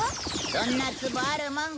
そんなツボあるもんか。